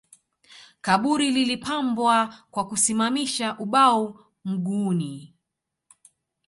Kaburi lilipambwa kwa kusimamisha ubao mguuni